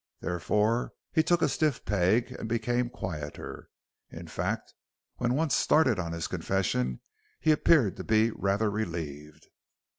Therefore, he took a stiff peg and became quieter. In fact, when once started on his confession, he appeared to be rather relieved.